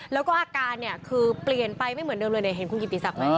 แล้วก็อาการเนี่ยคือเปลี่ยนไปไม่เหมือนเดิมเลยเนี่ยเห็นคุณกิติศักดิ์ไหม